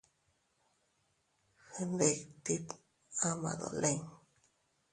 Gnditit ama dolin.